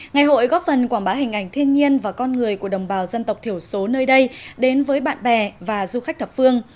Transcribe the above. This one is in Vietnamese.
ngày hội góp phần quảng bá hình ảnh thiên nhiên và con người của đồng bào dân tộc thiểu số nơi đây đến với bạn bè và du khách thập phương